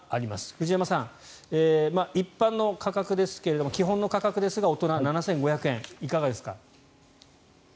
藤山さん、一般の価格ですが基本の価格ですが大人７５００円、いかがですか？